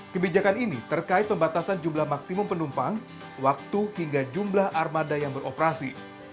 kebijakan ini terkait pembatasan jumlah maksimum penumpang waktu hingga jumlah armada yang beroperasi